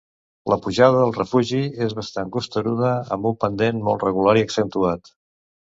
La pujada al refugi és bastant costeruda amb un pendent molt regular i accentuat.